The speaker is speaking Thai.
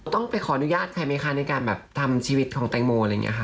ต้องไปขออนุญาตใครไหมคะในการแบบทำชีวิตของแตงโมอะไรอย่างนี้ค่ะ